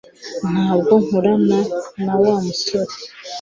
Ntabwo nkorana na Wa musore